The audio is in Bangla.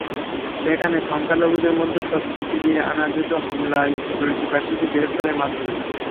সেখানে সংখ্যালঘুদের মধ্যে স্বস্তি ফিরিয়ে আনা যেত হামলায় জড়িত ব্যক্তিদের গ্রেপ্তারের মাধ্যমে।